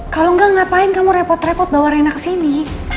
kalau enggak ngapain kamu repot repot bawa rena kesini